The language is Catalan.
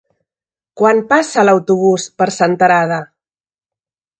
Quan passa l'autobús per Senterada?